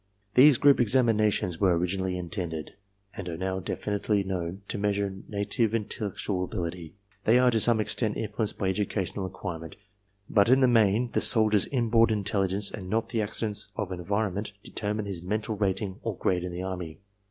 These group examinations were originally intended, and are now definitely known, to measure native intellectual ability. They are to some extent influenced by educational acquirement, but in the main the soldier's inborn intelligence and not the accidents of environment determines his mental rating or grade in the army.